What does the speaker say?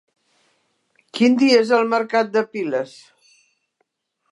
Quin dia és el mercat de Piles?